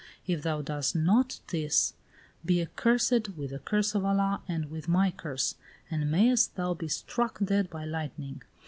"If thou doest not this, be accursed, with the curse of Allah, and with my curse! And mayest thou be struck dead by lightning!